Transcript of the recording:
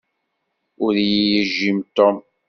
Ur iyi-yejjim Tom.